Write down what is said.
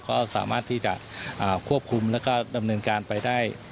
ก็สามารถที่จะควบคุมแล้วก็ดำเนินการไปได้